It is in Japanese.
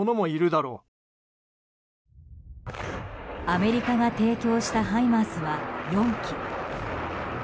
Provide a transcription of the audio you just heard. アメリカが提供したハイマースは４基。